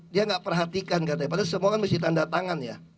dia nggak perhatikan katanya padahal semua kan mesti tanda tangan ya